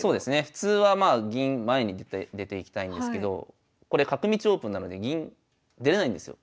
普通はまあ銀前に出ていきたいんですけどこれ角道オープンなので銀出れないんですよ